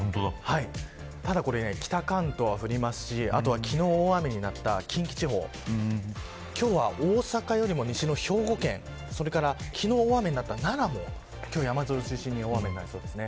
ただ北関東は降りますし昨日大雨になった近畿地方今日は大阪よりも西の兵庫県、それから昨日大雨になった奈良も山沿いを中心に大雨になりそうです。